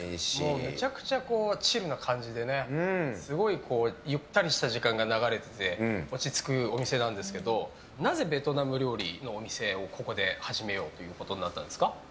めちゃくちゃチルな感じでゆったりした時間が流れてて落ち着くお店なんですけどなぜベトナム料理のお店をここで始めようということになったんですか。